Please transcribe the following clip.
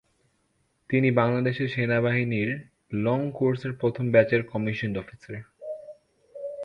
তিনি বাংলাদেশ সেনাবাহিনীর long course এর প্রথম ব্যাচের কমিশন্ড অফিসার।